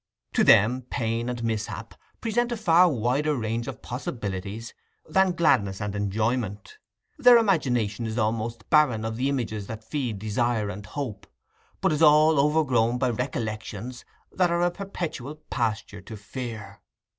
To them pain and mishap present a far wider range of possibilities than gladness and enjoyment: their imagination is almost barren of the images that feed desire and hope, but is all overgrown by recollections that are a perpetual pasture to fear.